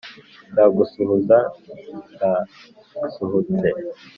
Nza gusuhuza ndasuhutse